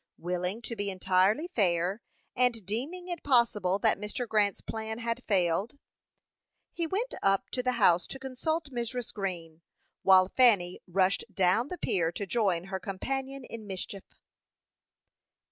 Willing to be entirely fair, and deeming it possible that Mr. Grant's plan had failed, he went up to the house to consult Mrs. Green, while Fanny rushed down the pier to join her companion in mischief.